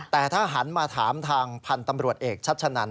แต่ถ้าหันมาถามทางพันธุ์ตำรวจเอกชัชนัน